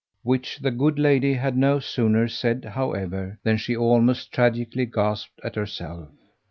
Which the good lady had no sooner said, however, than she almost tragically gasped at herself.